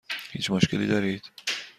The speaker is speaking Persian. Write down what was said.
هیچ مشکلی دارید؟